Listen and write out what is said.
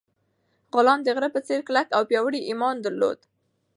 غلام د غره په څېر کلک او پیاوړی ایمان درلود.